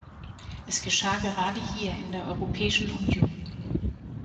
Es geschah gerade hier, in der Europäischen Union.